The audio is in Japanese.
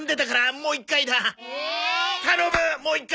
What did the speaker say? もう一回！